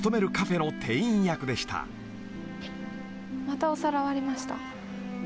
「またお皿割りました」